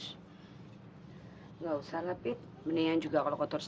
ibu ini meja kita pakai aja ya biar bagus